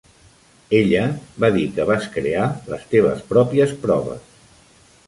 Ella va dir que vas crear les teves pròpies proves.